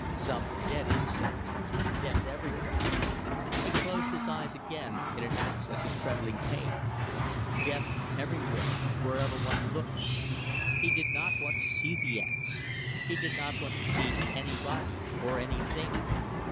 Some dead insect. Death everywhere! He closed his eyes again in an access of trembling pain. Death everywhere wherever one looks. He did not want to see the ants. He did not want to see anybody or anything.